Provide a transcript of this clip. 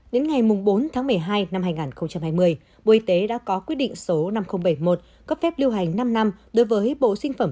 đến ngày bốn tháng một mươi hai năm hai nghìn hai mươi bộ y tế đã có quyết định số năm nghìn bảy mươi một cấp phép lưu hành năm năm đối với bộ sinh phẩm